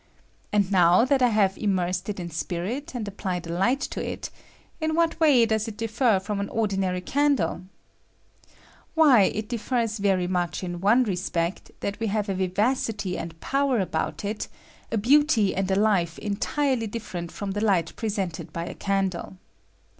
And, now that I have immersed it in spirit and light to it, in what way does it differ &om an ordinary candle ? Why, it differs very much in one respect, that we have a vivacity and power about it, a beauty and a life entirely different from the light presented by a caudle.